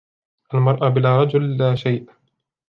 المرأة بلا رجل لا شيء.